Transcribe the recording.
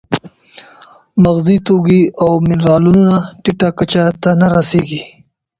مغذي توکي او منرالونه ټیټه کچه ته نه رسېږي.